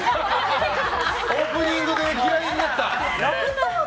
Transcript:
オープニングで嫌いになった。